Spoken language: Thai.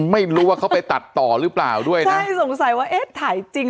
ไม่รู้ว่าเขาไปตัดต่อหรือเปล่าด้วยนะใช่สงสัยว่าเอ๊ะถ่ายจริง